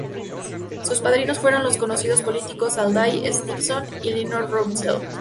Sus padrinos fueron los conocidos políticos Adlai Stevenson y Eleanor Roosevelt.